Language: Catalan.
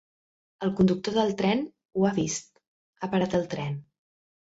El conductor del tren, ho ha vist, ha parat el tren.